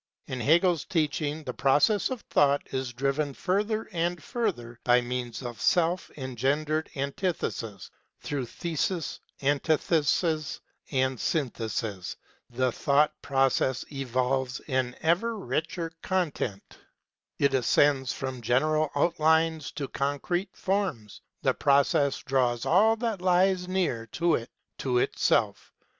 In Hegel's teaching the process of Thought is driven further and further by means of self engendered antitheses; through thesis, antithesis, and synthesis the Thought pro cess evolves an ever richer content; it ascends from general outlines to concrete forms : the Process draws all that lies near to it to itself.